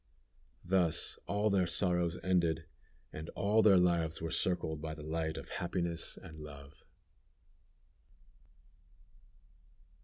Thus all their sorrows ended, and all their lives were circled by the light of happiness and love.